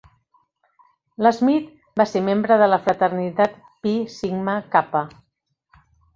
L'Smith va ser membre de la fraternitat Phi Sigma Kappa.